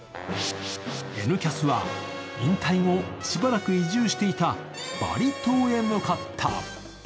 「Ｎキャス」は引退後、しばらく移住していたバリ島へ向かった。